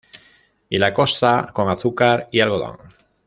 Y la costa con azúcar y algodón.